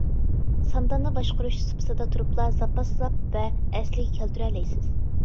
سانداننى باشقۇرۇش سۇپىسىدا تۇرۇپلا زاپاسلاپ ۋە ئەسلىگە كەلتۈرەلەيسىز.